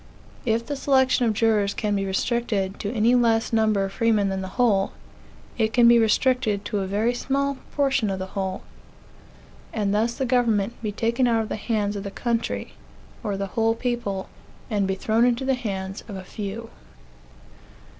If the selection of jurors can be restricted to any less number of freemen than the whole, it can be restricted to a very small proportion of the whole; and thus the government be taken out of the hands of " the country," or the whole people, and be thrown into the hands of a few.